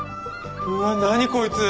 うわっ何こいつ。